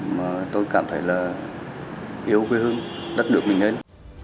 mà tôi cảm thấy là yêu quê hương rất được mình hết